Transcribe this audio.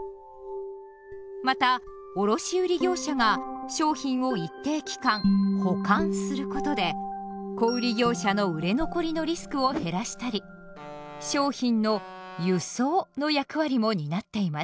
また卸売業者が商品を一定期間「保管」することで小売業者の売れ残りのリスクを減らしたり商品の「輸送」の役割も担っています。